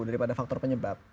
daripada faktor penyebab